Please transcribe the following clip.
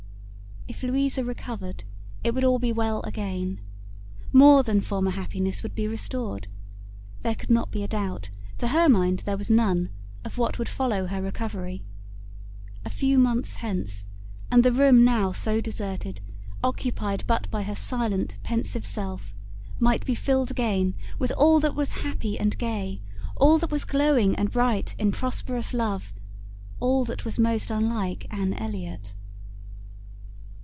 If Louisa recovered, it would all be well again. More than former happiness would be restored. There could not be a doubt, to her mind there was none, of what would follow her recovery. A few months hence, and the room now so deserted, occupied but by her silent, pensive self, might be filled again with all that was happy and gay, all that was glowing and bright in prosperous love, all that was most unlike Anne Elliot!